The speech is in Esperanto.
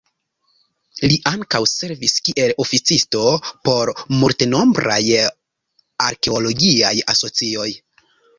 Li ankaŭ servis kiel oficisto por multenombraj arkeologiaj asocioj.